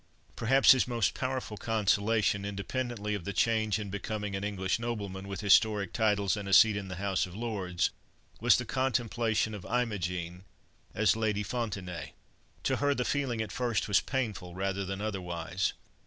Perhaps his most powerful consolation, independently of the change involved in becoming an English nobleman, with historical titles and a seat in the House of Lords, was the contemplation of Imogen as Lady Fontenaye. To her, the feeling at first was painful rather than otherwise.